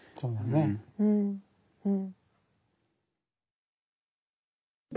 うんうん。